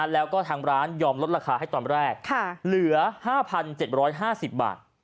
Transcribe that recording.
แล้วก็ทางร้านยอมลดราคาให้ตอนแรกเหลือ๕๗๕๐บาท